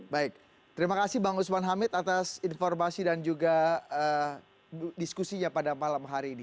baik terima kasih bang usman hamid atas informasi dan juga diskusinya pada malam hari ini